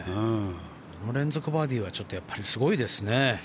この連続バーディーはちょっとやっぱりすごいですね。